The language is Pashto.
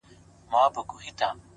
لذت پروت وي!!